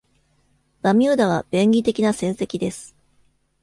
バミューダは便宜的な船籍です。